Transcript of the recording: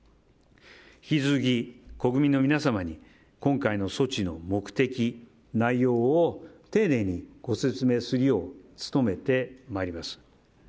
引き続き国民の皆様に今回の措置の目的、内容を丁寧にご説明するよう努めてまいります。